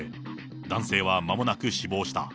男性は間もなく死亡した。